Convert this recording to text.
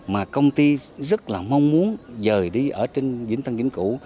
mà công ty rất là mong muốn rời đi ở trên vĩnh tân kia